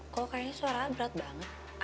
a kok kayaknya suara berat banget